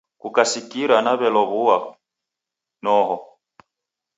Kukasikira naw'elow'ua, noho.